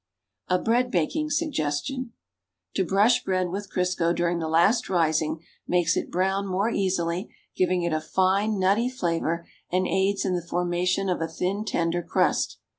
A BREAD BAKING SUGGESTION To brush bread with Crisco during the last rising makes it brown more easily, giving it a fine, nutty flavor and aids in the formation of a thin, tender crust.